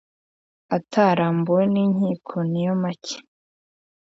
atarambuwe n ‘inkiko niyomake.